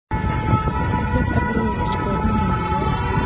ئىززەت-ئابرۇي ۋە كۈچ-قۇۋۋەت نېمە بىلەن بولۇر؟